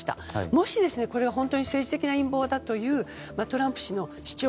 もしこれが本当に政治的陰謀だというトランプ氏が主張